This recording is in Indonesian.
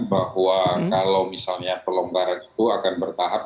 bahwa kalau misalnya pelonggaran itu akan bertahap